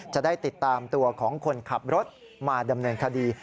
จะได้ติดตามตัวของคนขับรถมาดำเนินคดี